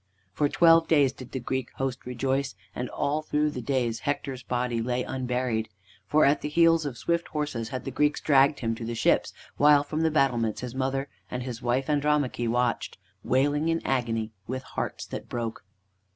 For twelve days did the Greek host rejoice, and all through the days Hector's body lay unburied. For at the heels of swift horses had the Greeks dragged him to the ships, while from the battlements his mother and his wife Andromache watched, wailing in agony, with hearts that broke.